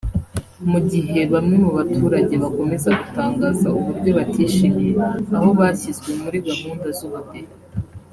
Mu gihe bamwe mu baturage bakomeza gutangaza uburyo batishimiye aho bashyizwe muri gahunda z’ubudehe